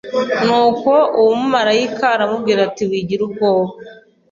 Nuko uwo mumarayika aramubwira ati wigira ubwoba